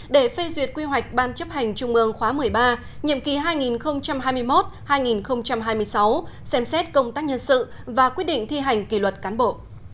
để phê duyệt quy hoạch ban chấp hành trung ương khóa một mươi ba nhiệm kỳ hai nghìn hai mươi một hai nghìn hai mươi sáu xem xét công tác nhân sự và quyết định thi hành kỷ luật cán bộ